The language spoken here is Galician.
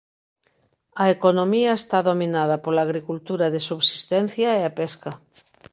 A economía está dominada pola agricultura de subsistencia e a pesca.